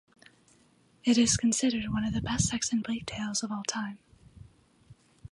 It is considered one of the best Sexton Blake tales of all time.